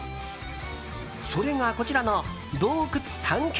それがこちらの洞窟探検